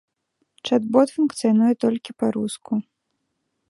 Чат-бот функцыянуе толькі па-руску.